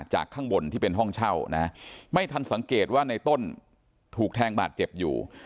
ข้างบนที่เป็นห้องเช่านะไม่ทันสังเกตว่าในต้นถูกแทงบาดเจ็บอยู่